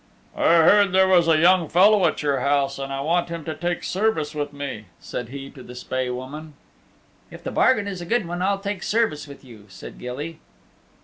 "I heard there was a young fellow at your house and I want him to take service with me," said he to the Spae Woman. "If the bargain is a good one I'll take service with you," said Gilly.